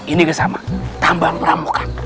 ini sama tambang pramuka